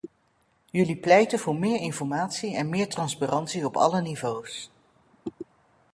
Jullie pleiten voor meer informatie en meer transparantie op alle niveaus.